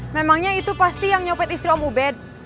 memangnya itu pasti yang nyopet istri om ubed